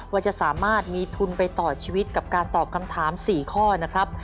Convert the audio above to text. ว่าจะสามารถมีทุนไปต่อชีวิตกับการตอบคำถาม๔ข้อนะครับ